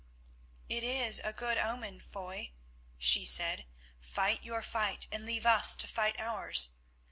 "It is a good omen, Foy," she said. "Fight your fight and leave us to fight ours.